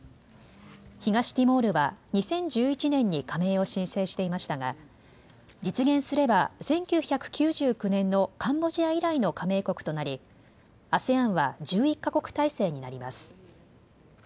東ティモールは２０１１年に加盟を申請していましたが実現すれば１９９９年のカンボジア以来の加盟国となりＡＳＥＡＮは１１か国体制になります。